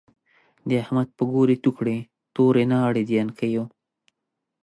د احمد په ګور يې تو کړی، توری ناړی د يڼکيو